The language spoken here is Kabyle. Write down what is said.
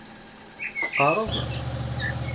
Teqqareḍ?